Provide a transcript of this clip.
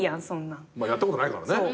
やったことないからね。